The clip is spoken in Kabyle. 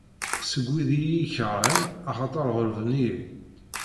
Seg wid i iyi-ikerhen, axaṭer ɣelben-iyi.